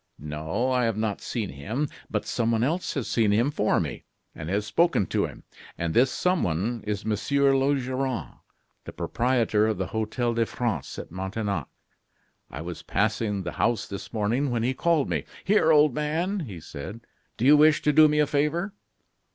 "No, I have not seen him, but someone else has seen him for me, and has spoken to him. And this someone is Monsieur Laugeron, the proprietor of the Hotel de France at Montaignac. I was passing the house this morning, when he called me. 'Here, old man,' he said, 'do you wish to do me a favor?